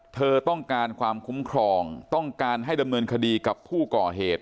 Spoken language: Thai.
เธอต้องการความคุ้มครองต้องการให้ดำเนินคดีกับผู้ก่อเหตุ